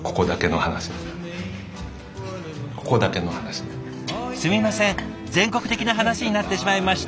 すみません全国的な話になってしまいました。